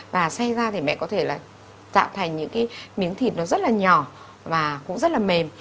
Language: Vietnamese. và xay ra thì mẹ có thể tạo thành những miếng thịt rất là nhỏ và cũng rất là mềm